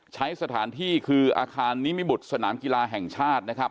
ใช้สถานที่คืออาคารนิมิบุตรสนามกีฬาแห่งชาตินะครับ